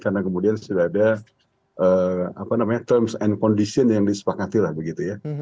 karena kemudian sudah ada terms and condition yang disepakati lah begitu ya